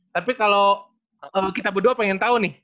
tapi kalau kita berdua pengen tahu nih